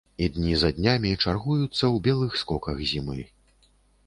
І дні за днямі чаргуюцца ў белых скоках зімы.